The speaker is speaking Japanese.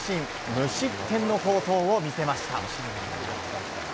無失点の好投を見せました。